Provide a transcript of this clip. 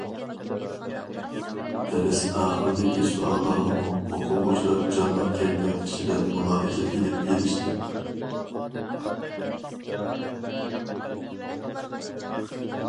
دەرس ئاخىرىدىكى سوئاللارغىمۇ ئوقۇغۇچىلار جانلىق كەيپىيات ئىچىدە مۇلاھىزە ئېلىپ بېرىشتى.